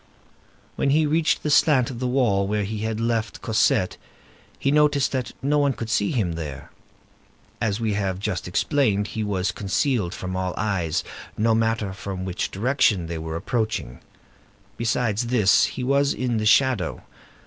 When he reached the slant of the wall where he had left Cosette, he noticed that no one could see him there. As we have just explained, he was concealed from all eyes, no matter from which direction they were approaching; besides this, he was in the shadow.